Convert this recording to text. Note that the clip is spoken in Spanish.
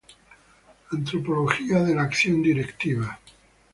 Antropología de la acción directiva.